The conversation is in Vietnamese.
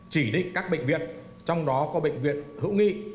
chỉ định các bệnh viện trong đó có bệnh viện hữu nghị